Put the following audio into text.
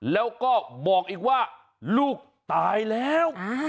แล้วก็บอกอีกว่าลูกตายแล้ว